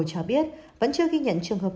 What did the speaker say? cho biết vẫn chưa ghi nhận trường hợp